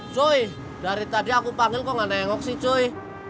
cuy dari tadi aku panggil kok gak nengok sih cuy